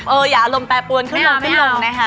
อย่าอารมณ์แปรปวนขึ้นลงขึ้นลงนะคะ